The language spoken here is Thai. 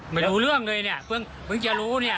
ไม่รู้เรื่องเลยเนี่ยเพิ่งจะรู้เนี่ย